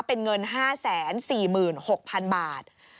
เป็นเงิน๕๔๖๐๐๐บาท